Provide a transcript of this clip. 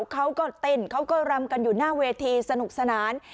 เขาก็เต้นเขาก็รำกันอยู่หน้าเวทีสนุกสนาน